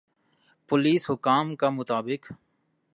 police حکام کا مطابق